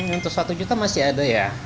untuk satu juta masih ada ya